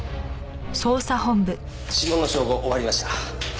指紋の照合終わりました。